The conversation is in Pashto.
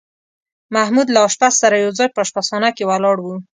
محمود له اشپز سره یو ځای په اشپزخانه کې ولاړ و.